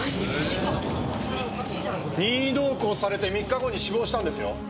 任意同行されて３日後に死亡したんですよ。